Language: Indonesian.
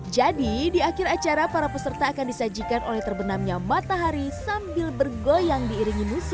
jadi di akhir acara para peserta akan disajikan oleh terbenamnya matahari sambil bergoyang diiringi musik